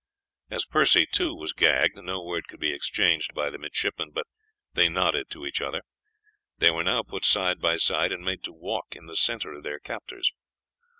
As Percy, too, was gagged, no word could be exchanged by the midshipmen, but they nodded to each other. They were now put side by side and made to walk in the center of their captors.